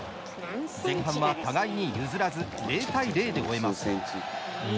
前半は互いに譲らず０対０で終えます。